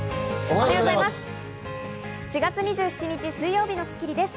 おはようございます。